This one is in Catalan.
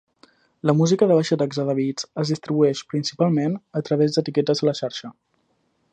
La música de baixa taxa de bits es distribueix principalment a través d'etiquetes a la xarxa.